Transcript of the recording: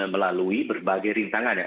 melalui berbagai rintangan yang